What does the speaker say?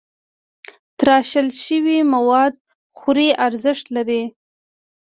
تراشل شوي مواد خوري ارزښت لري.